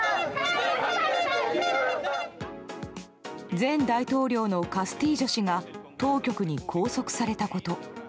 前大統領のカスティージョ氏が当局に拘束されたこと。